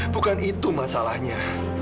bukan itu masalahnya